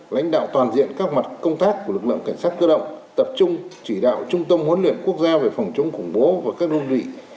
lãnh đạo toàn diện các mặt công tác của lực lượng cảnh sát cơ động tập trung chỉ đạo trung tâm huấn luyện quốc gia về phòng chống khủng bố và các đơn vị